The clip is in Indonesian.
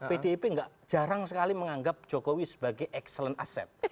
pdip jarang sekali menganggap jokowi sebagai excellent assep